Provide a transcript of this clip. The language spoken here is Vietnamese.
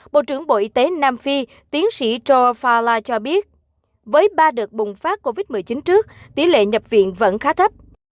bộ trưởng bộ y tế nam phi tiến sĩ jor fala cho biết với ba đợt bùng phát covid một mươi chín trước tỷ lệ nhập viện vẫn khá thấp